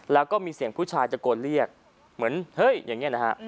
แล้วก็มีเสียงผู้ชายตะโกนเรียกเหมือนเฮ้ยอย่างนี้นะฮะ